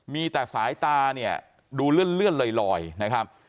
มีแต่สายตาเนี่ยดูเลื่อนลอยนะครับ